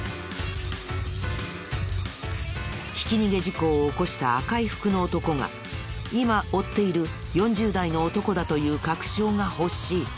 ひき逃げ事故を起こした赤い服の男が今追っている４０代の男だという確証が欲しい。